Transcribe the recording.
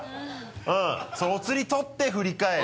そのお釣り取って振り返る。